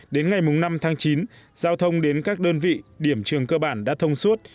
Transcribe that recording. đến ngày năm tháng chín giao thông đến các đơn vị điểm trường cơ bản đã thông suốt